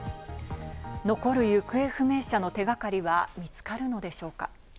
残る行方不明者の手掛かりは見つかるのでしょうか。